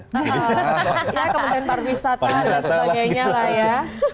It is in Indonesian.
iya kepentingan parwisata dan sebagainya lah ya